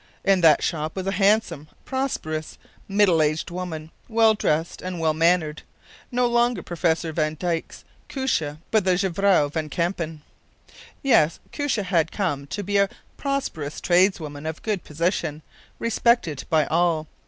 In that shop was a handsome, prosperous, middle aged woman, well dressed and well mannered, no longer Professor van Dijck’s Koosje, but the Jevrouw van Kampen. Yes; Koosje had come to be a prosperous tradeswoman of good position, respected by all.